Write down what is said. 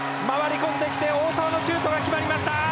回り込んできて大澤のシュートが決まりました！